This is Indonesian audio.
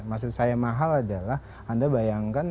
maksud saya mahal adalah anda bayangkan